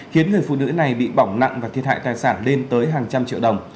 khiến người phụ nữ này bị bỏng nặng và thiệt hại tài sản lên tới hàng trăm triệu đồng